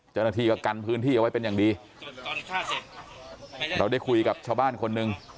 เจ้าหน้าที่ก็กันพื้นที่เอาไว้เป็นอย่างดีเราได้คุยกับชาวบ้านคนหนึ่ง